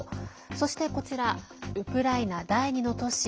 そして、こちらウクライナ第２の都市